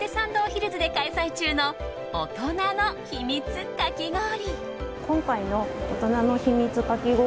ヒルズで開催中の大人のヒミツかき氷。